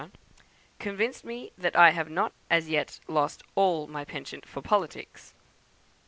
convinced me that I have not as yet lost all my penchant for politics.